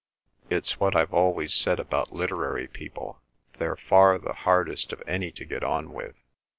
It's what I've always said about literary people—they're far the hardest of any to get on with.